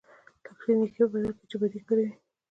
لکه د نېکۍ په بدل کې چې بدي کړې وي.